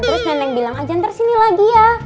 terus neneng bilang aja nanti sini lagi ya